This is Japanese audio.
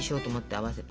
合わせて。